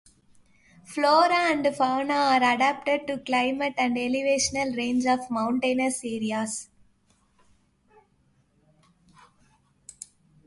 Flora and fauna are adapted to climate and elevational range of mountainous areas.